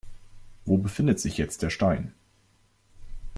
Wo befindet sich jetzt der Stein?